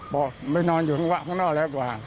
บอกไม่นอนข้างหน้าแล้วกว่า